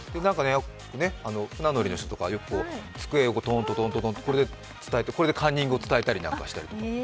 船乗りの人とか、よく机をトントトートーってこれでカンニングを伝えたりして。